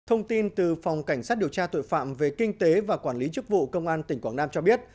thông tin từ phòng cảnh sát điều tra tội phạm về kinh tế và quản lý chức vụ công an tỉnh quảng nam cho biết